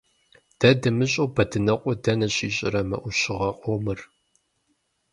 Дэ дымыщӀэу, Бэдынокъуэ дэнэ щищӀэрэ мы Ӏущыгъэ къомыр?